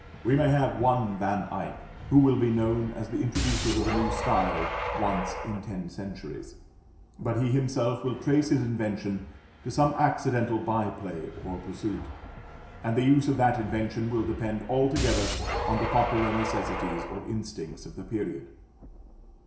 We may have one Van Eyck, who will be known as the introducer of a new style once in ten centuries, but he himself will trace his invention to some accidental bye play or pursuit; and the use of that invention will depend altogether on the popular necessities or instincts of the period.